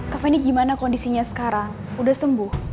kak fahni gimana kondisinya sekarang udah sembuh